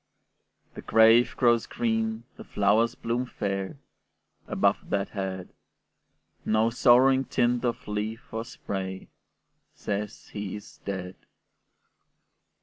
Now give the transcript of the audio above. The grave grows green, the flowers bloom fair, Above that head; No sorrowing tint of leaf or spray Says he is dead.